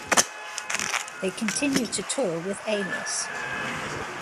They continue to tour with Alias.